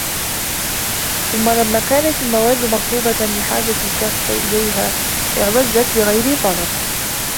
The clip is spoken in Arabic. ثُمَّ لَمَّا كَانَتْ الْمَوَادُّ مَطْلُوبَةً لِحَاجَةِ الْكَافَّةِ إلَيْهَا أُعْوِزَتْ بِغَيْرِ طَلَبٍ